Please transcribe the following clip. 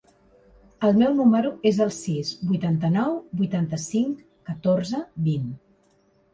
El meu número es el sis, vuitanta-nou, vuitanta-cinc, catorze, vint.